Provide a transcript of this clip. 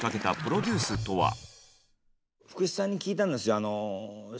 福士さんに聞いたんですよ。